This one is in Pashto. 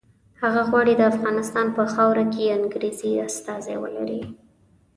هغه غواړي د افغانستان په خاوره کې انګریزي استازي ولري.